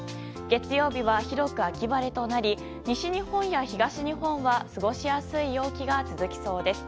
月曜日は広く秋晴れとなり西日本や東日本は過ごしやすい陽気が続きそうです。